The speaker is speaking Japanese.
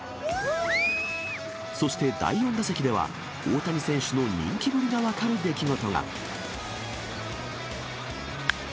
そして第４打席では、大谷選手の人気ぶりが分かる出来事が。